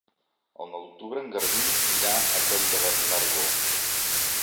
El nou d'octubre en Garbí irà a Coll de Nargó.